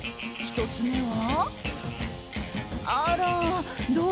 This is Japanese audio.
１つ目は。